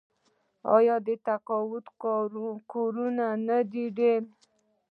آیا د تقاعد کورونه ډیر نه دي؟